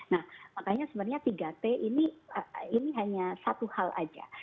nah makanya sebenarnya tiga t ini hanya satu hal aja